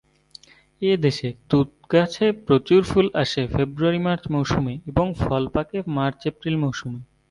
এ দেশে তুঁত গাছে প্রচুর ফুল আসে ফেব্রুয়ারি-মার্চ মৌসুমে এবং ফল পাকে মার্চ-এপ্রিল মৌসুমে।